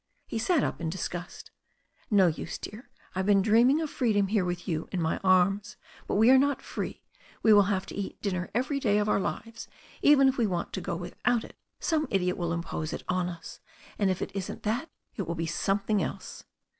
He sat up in disgust "No use, dear. I've been dreaming of freedom here with you in my arms. But we are not free; we will have to eat dinner every day of our lives. Even if we want to go without it some idiot will impose it on us. And if it isn't that it will be something else."